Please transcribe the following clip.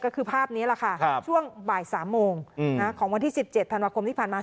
ก็คือภาพนี้แหละค่ะช่วงบ่าย๓โมงของวันที่๑๗ธันวาคมที่ผ่านมา